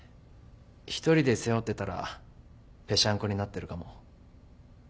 １人で背負ってたらぺしゃんこになってるかも。